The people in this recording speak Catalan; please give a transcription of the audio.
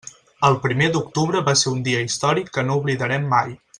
El primer d'octubre va ser un dia històric que no oblidarem mai.